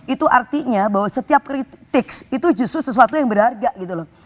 itu artinya bahwa setiap kritik itu justru sesuatu yang berharga gitu loh